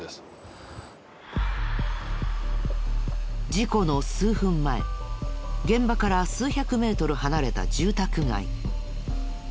事故の数分前現場から数百メートル離れた住宅街。